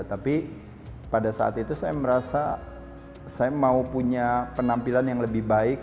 tapi pada saat itu saya merasa saya mau punya penampilan yang lebih baik